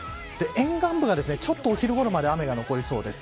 沿岸部がちょっとお昼ごろまで雨が残りそうです。